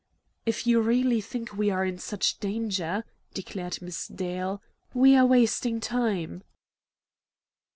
"If you really think we are in such danger," declared Miss Dale, "we are wasting time!"